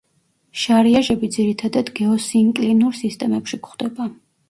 შარიაჟები ძირითადად გეოსინკლინურ სისტემებში გვხვდება.